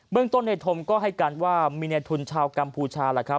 เบื้องต้นในธรรมก็ให้กันว่ามีในทุนชาวกัมพูชา